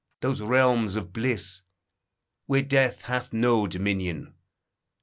those realms of bliss Where death hath no dominion?